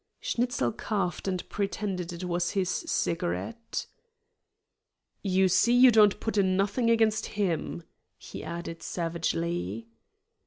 Schnitzel coughed and pretended it was his cigarette. "You see you don't put in nothing against him," he added savagely.